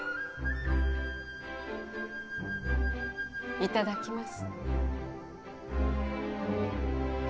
いただきます